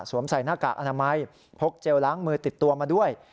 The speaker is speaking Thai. ใส่หน้ากากอนามัยพกเจลล้างมือติดตัวมาด้วย